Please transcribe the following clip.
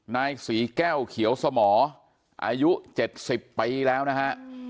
นายศรีแก้วเขียวสมออายุ๗๐ปีแล้วนะฮะ